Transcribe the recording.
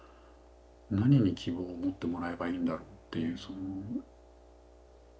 何に希望を持ってもらえばいいんだろうっていうその。